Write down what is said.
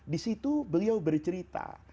di situ beliau bercerita